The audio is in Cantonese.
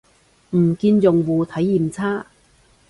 唔見用戶體驗差